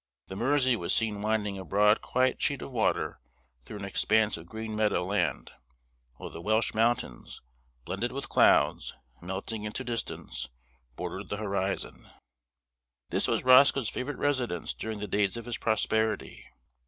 The Mersey was seen winding a broad quiet sheet of water through an expanse of green meadow land, while the Welsh mountains, blended with clouds, and melting into distance, bordered the horizon. This was Roscoe's favorite residence during the days of his prosperity.